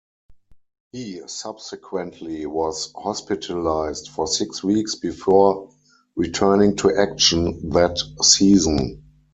He subsequently was hospitalized for six weeks before returning to action that season.